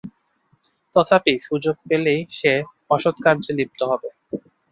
তথাপি সুযোগ পেলেই সে অসৎকার্যে লিপ্ত হয়।